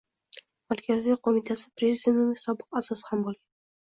Markaziy qo‘mitasi Prezidiumining sobiq a’zosi ham bo‘lgan.